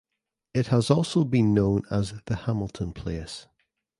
It has also been known as The Hamilton Place.